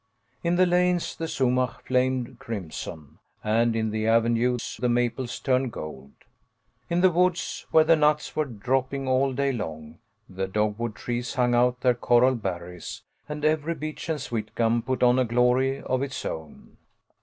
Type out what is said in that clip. In the lanes the sumach flamed crimson, and in the avenues the maples turned gold. In the woods, where the nuts were dropping all day long, the dogwood trees hung out their coral berries, and every beech and sweet gum put on a glory of its own.